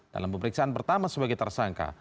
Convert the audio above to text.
dalam pemeriksaan pertama sebagai tersangka